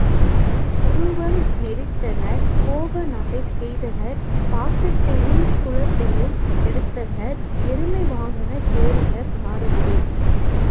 புருவம் நெறித்தனர் கோப நகை செய்தனர் பாசத்தையுஞ் சூலத்தையும் எடுத்தனர் எருமைவாகனத் தேறினர் நாரதரே!